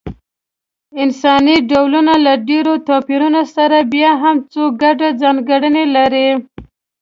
انساني ډولونه له ډېرو توپیرونو سره بیا هم څو ګډې ځانګړنې لري.